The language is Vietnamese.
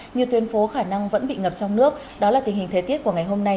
nhiều tuyên phố khả năng vẫn bị ngập trong nước đó là tình hình thế tiết của ngày hôm nay